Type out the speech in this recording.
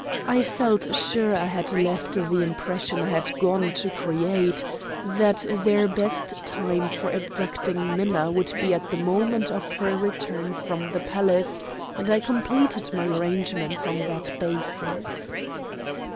I felt sure I had left the impression I had gone to create that their best time for abducting Minna would be at the moment of her return from the palace; and I completed my arrangements on that basis.